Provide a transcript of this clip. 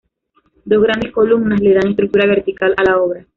Dos grandes columnas le dan estructura vertical a la obra.